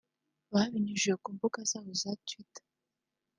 Babinyujije ku mbuga zabo za twitter